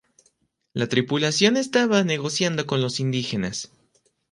La tripulación estaba negociando con los indígenas.